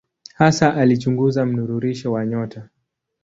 Hasa alichunguza mnururisho wa nyota.